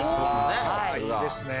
いいですね。